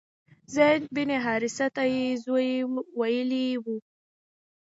زید بن حارثه ته یې زوی ویلي و.